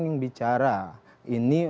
yang bicara ini